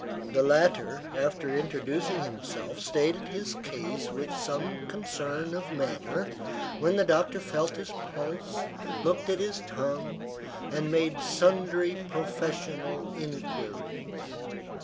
The latter, after introducing himself, stated his case with some concern of manner; when the doctor felt his pulse, looked at his tongue, and made sundry professional inquiries.